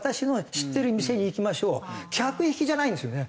そして客引きじゃないんですよね。